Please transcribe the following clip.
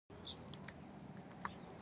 بيا مو ترې تپوس وکړو چې څۀ کوئ؟